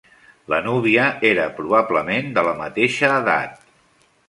La núvia era probablement de la mateixa edat.